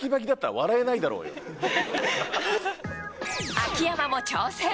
秋山も挑戦。